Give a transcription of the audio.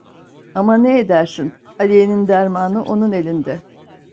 Ama ne edersin, Aliye'nin dermanı onun elinde.